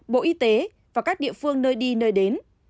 bộ y tế và các địa phương nơi đi nơi đến